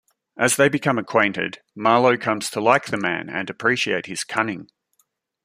As they become acquainted, Marlowe comes to like the man and appreciate his cunning.